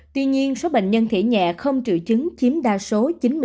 tuy nhiên số bệnh nhân thể nhẹ không trữ chứng chiếm đa số chín mươi sáu